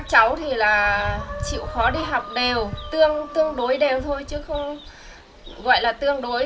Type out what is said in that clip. chịu khó đi học đều tương đối đều thôi chứ không gọi là tương đối